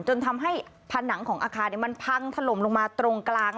จนทำให้ผนังของอาคารมันพังถล่มลงมาตรงกลาง